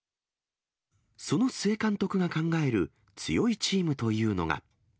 その須江監督が考える強いチームというのが。